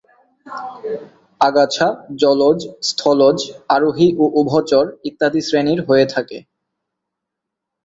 আগাছা জলজ, স্থলজ, আরোহী ও উভচর ইত্যাদি শ্রেণির হয়ে থাকে।